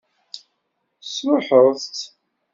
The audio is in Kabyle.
Tesṛuḥeḍ-tt?